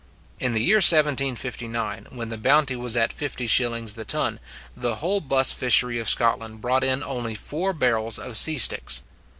In the year 1759, when the bounty was at fifty shillings the ton, the whole buss fishery of Scotland brought in only four barrels of sea sticks.